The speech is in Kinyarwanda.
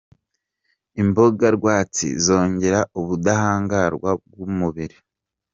Imboga rwatsi zongera ubudahangarwa bw'umubiri.